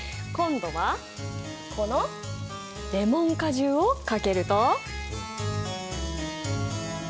今度はこのレモン果汁をかけると。